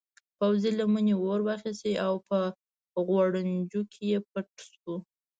پوځي لمنې اور واخیست او په غوړنجو کې پټ شو.